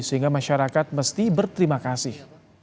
sehingga masyarakat mesti berterima kasih